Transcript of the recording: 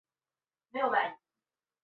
火地岛的冰川风光别具一格。